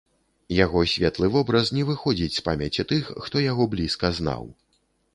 Яго светлы вобраз не выходзіць з памяці тых, хто яго блізка знаў.